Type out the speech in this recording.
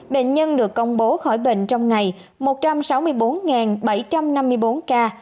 bệnh nhân được công bố khỏi bệnh trong ngày một trăm sáu mươi bốn bảy trăm năm mươi bốn ca